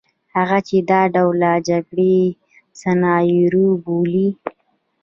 هغه چې دا ډول جګړې سناریو بولي.